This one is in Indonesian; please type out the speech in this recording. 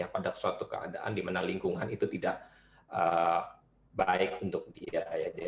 pada suatu keadaan di mana lingkungan itu tidak baik untuk dia